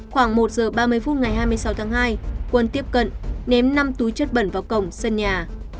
khoảng một giờ ba mươi phút ngày hai mươi sáu tháng hai quân tiếp cận ném năm túi chất bẩn vào cổng sân nhà